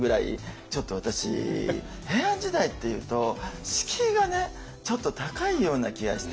ちょっと私平安時代っていうと敷居がねちょっと高いような気がして。